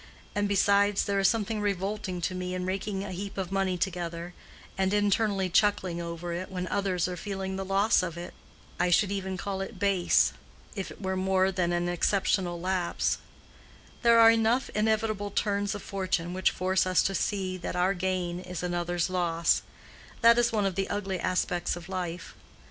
And, besides, there is something revolting to me in raking a heap of money together, and internally chuckling over it, when others are feeling the loss of it. I should even call it base, if it were more than an exceptional lapse. There are enough inevitable turns of fortune which force us to see that our gain is another's loss:—that is one of the ugly aspects of life.